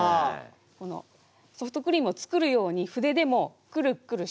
このソフトクリームを作るように筆でもクルクルシュッと。